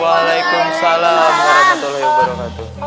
waalaikumsalam warahmatullahi wabarakatuh